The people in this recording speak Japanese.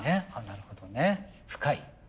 なるほどね深い。